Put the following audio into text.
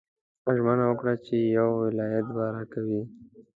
ژمنه وکړه چې یو ولایت به راکوې.